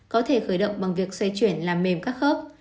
có thể khởi động bằng việc xoay chuyển làm mềm các khớp